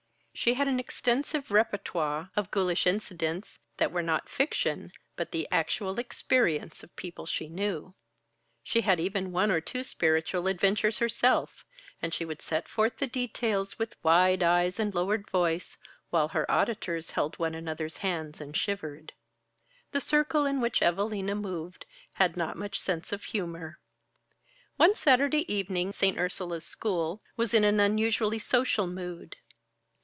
She had an extensive repertoire of ghoulish incidents, that were not fiction but the actual experience of people she knew. She had even had one or two spiritual adventures herself; and she would set forth the details with wide eyes and lowered voice, while her auditors held one another's hands and shivered. The circle in which Evalina moved had not much sense of humor. One Saturday evening St. Ursula's School was in an unusually social mood.